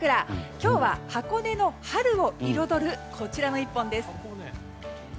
今日は箱根の春を彩るこちらの一本です。